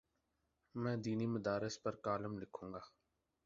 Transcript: میں دینی مدارس پر کالم لکھوں گا۔